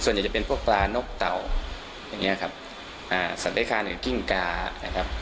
ส่วนใหญ่จะเป็นพวกกลานกเต่าสัตยาคารึงคือจิ่งกานะครับ